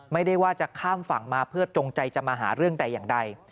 ไม่ได้ว่าจะข้ามฝั่งมาเพื่อจงใจจะมาหาเรื่องแต่อย่างใด